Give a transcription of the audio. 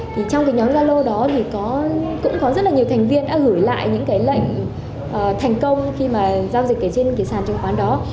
trong nhóm gia lô đó thì cũng có rất nhiều thành viên đã gửi lại những lệnh thành công khi giao dịch trên sàn chứng khoán đó